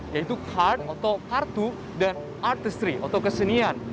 yaitu card atau kartu dan artistry atau kesenian